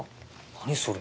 何それ。